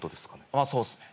ああそうっすね。